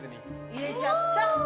入れちゃった。